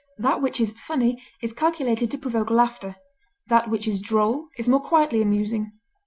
That which is funny is calculated to provoke laughter; that which is droll is more quietly amusing.